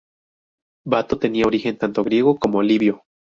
Bato tenía origen tanto griego como libio.